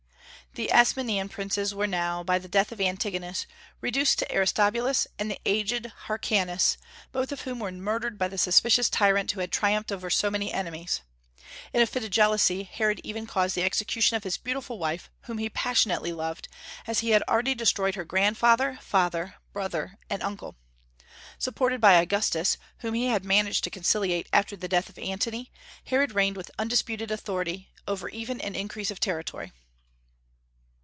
The Asmonean princes were now, by the death of Antigonus, reduced to Aristobulus and the aged Hyrcanus, both of whom were murdered by the suspicious tyrant who had triumphed over so many enemies. In a fit of jealousy Herod even caused the execution of his beautiful wife, whom he passionately loved, as he had already destroyed her grandfather, father, brother, and uncle. Supported by Augustus, whom he had managed to conciliate after the death of Antony, Herod reigned with undisputed authority over even an increase of territory.